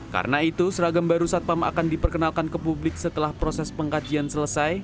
karena itu seragam baru satpam akan diperkenalkan ke publik setelah proses pengkajian selesai